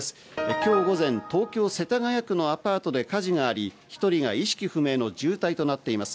今日午前、東京・世田谷区のアパートで火事があり、一人が意識不明の重体となっています。